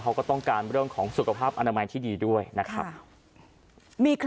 เขาก็ต้องการเรื่องของสุขภาพอนามัยที่ดีด้วยนะครับ